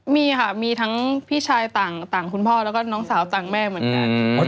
มีค่ะมีทั้งพี่ชายต่างคุณพ่อแล้วก็น้องสาวต่างแม่เหมือนกัน